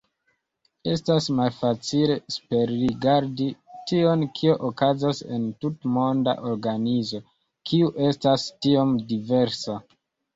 Estas malfacile superrigardi tion kio okazas en tutmonda organizo, kiu estas tiom diversa.